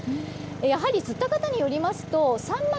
やはり釣った方によりますとサンマ